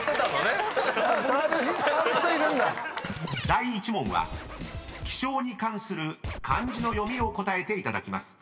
［第１問は気象に関する漢字の読みを答えていただきます。